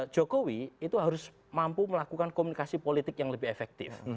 jokowi itu harus mampu melakukan komunikasi politik yang lebih efektif